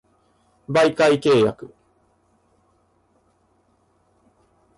媒介契約